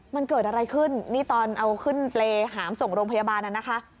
มันเกิดอะไรขึ้นนี่ตอนเอาขึ้นเปรย์หามส่งโรงพยาบาลน่ะนะคะ